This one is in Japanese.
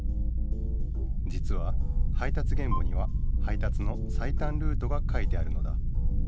じつは配達原簿には配達の最短ルートが書いてあるのだ。